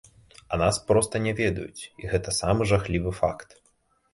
А нас проста не ведаюць, і гэта самы жахлівы факт.